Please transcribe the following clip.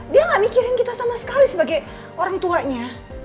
dia gak mikirin kita sama sekali sebagai orang tuanya